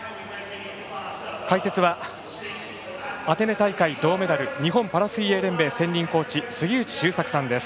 解説は、アテネ大会銅メダル日本パラ水泳連盟専任コーチ杉内周作さんです。